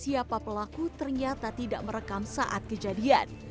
siapa pelaku ternyata tidak merekam saat kejadian